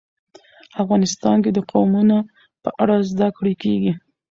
افغانستان کې د قومونه په اړه زده کړه کېږي.